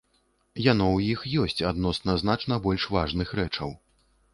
Яно ў іх ёсць адносна значна больш важных рэчаў.